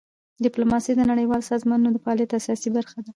ډیپلوماسي د نړیوالو سازمانونو د فعالیت اساسي برخه ده.